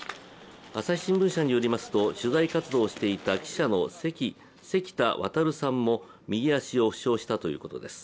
朝日新聞社によりますと、取材活動をしていた記者の関田航さんも右足を負傷したということです。